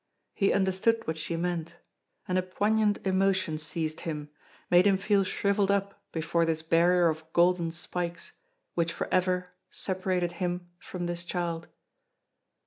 He understood what she meant; and a poignant emotion seized him, made him feel shriveled up before this barrier of golden spikes which forever separated him from this child.